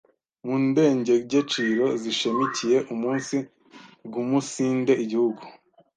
Mu ndengegeciro zishemikiye umunsi guumunsinde Igihugu